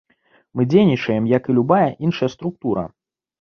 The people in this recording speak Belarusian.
Мы дзейнічаем як і любая іншая структура.